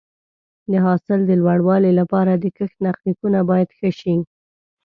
د حاصل د لوړوالي لپاره د کښت تخنیکونه باید ښه شي.